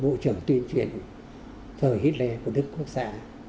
bộ trưởng tuyên truyền thời hitler của đức quốc gia